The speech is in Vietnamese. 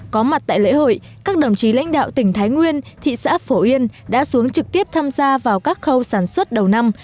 có mặt tại lễ hội các đồng chí lãnh đạo tỉnh thái nguyên thị xã phổ yên đã xuống trực tiếp tham gia vào các khâu sản xuất đầu năm